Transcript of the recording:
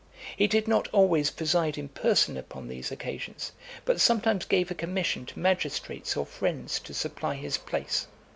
He did not always preside in person upon those occasions, but sometimes gave a commission to magistrates or friends to supply his place.